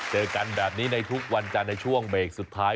เจอกันแบบนี้ในทุกวันจันทร์ในช่วงเบรกสุดท้าย